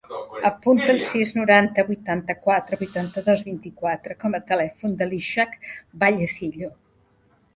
Apunta el sis, noranta, vuitanta-quatre, vuitanta-dos, vint-i-quatre com a telèfon de l'Ishaq Vallecillo.